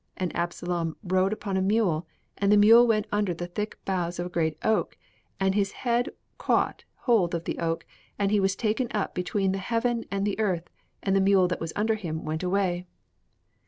And Absalom rode upon a mule, and the mule went under the thick boughs of a great oak, and his head caught hold of the oak, and he was taken up between the heaven and the earth; and the mule that was under him went away.'"